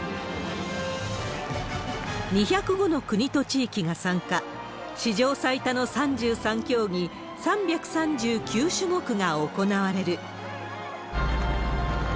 ２０５の国と地域が参加、史上最多の３３競技３３９種目が行われる。